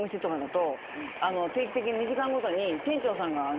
定期的に２時間ごとに。